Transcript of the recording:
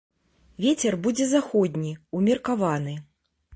Вецер будзе заходні, умеркаваны.